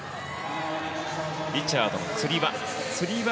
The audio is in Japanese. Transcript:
リチャードのつり輪。